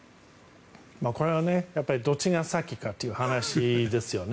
これはどっちが先かという話ですよね。